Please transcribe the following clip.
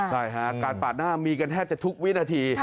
ใช่ค่ะการปาดหน้ามีกันแทบจะทุกวินาที